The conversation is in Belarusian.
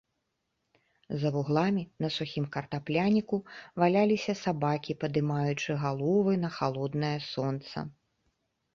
За вугламі, на сухім картапляніку, валяліся сабакі, падымаючы галовы на халоднае сонца.